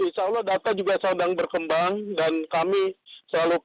insya allah data juga sedang berkembang dan kami selalu paham kita masih berada di luar